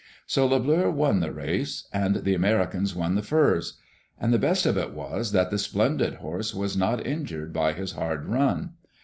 So Le Bleu won the race, and the Americans won the furs. And the best of it was that the splendid horse was not injured by his hard run.